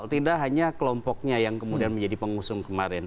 tidak hanya kelompoknya yang kemudian menjadi pengusung kemarin